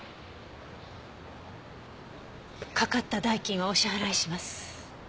かかった代金はお支払いします。